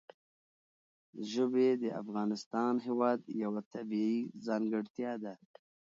ژبې د افغانستان هېواد یوه طبیعي ځانګړتیا ده.